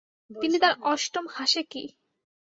তিনি তাঁর অষ্টম হাসেকি।